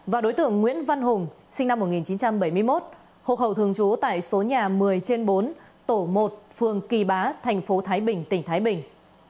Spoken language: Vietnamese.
và đối tượng nguyễn văn hùng sinh năm một nghìn chín trăm bảy mươi một hộ khẩu thường trú tại số nhà một mươi trên bốn tổ một phường kỳ bá thành phố thái bình tỉnh thái bình